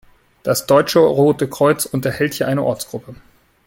Das Deutsche Rote Kreuz unterhält hier eine Ortsgruppe.